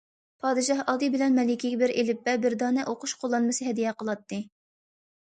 پادىشاھ ئالدى بىلەن، مەلىكىگە بىر ئېلىپبە، بىر دانە ئوقۇش قوللانمىسى ھەدىيە قىلاتتى.